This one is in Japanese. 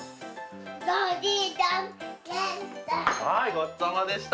ごちそうさまでした。